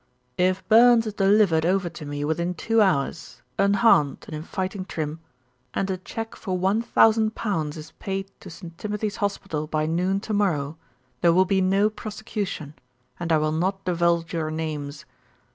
"If Burns is delivered over to me within two hours, unharmed and in fighting trim, and a cheque for 1,000 pounds is paid to St. Timothy's Hospital by noon to morrow, there will be no prosecution, and I will not divulge your names.